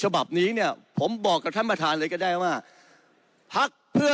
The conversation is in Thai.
จับมือกับพะก้าวกลายในการจัดตั้งรัฐบาล